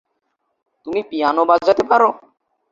তুমি পিয়ানো বাজাতে পার?